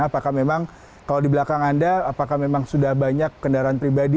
apakah memang kalau di belakang anda apakah memang sudah banyak kendaraan pribadi